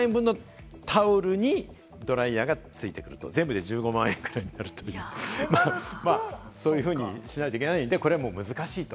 それにドライヤーがついてくると全部で１５万円ぐらいになると、そういうふうにしないといけないので、これは難しいと。